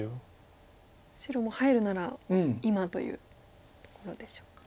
白も入るなら今というところでしょうか。